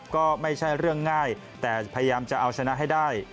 ก็ไม่ใช่เรื่องง่ายแต่พยายามจะเอาชนะให้ได้